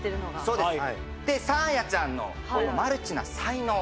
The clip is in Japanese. そうです。